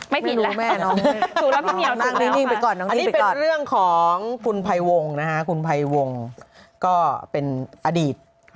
ไม่ผิดแล้วถูกแล้วพี่เมียว